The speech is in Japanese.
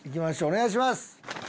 お願いします。